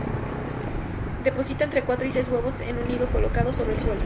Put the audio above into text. Deposita entre cuatro y seis huevos en un nido colocado sobre el suelo.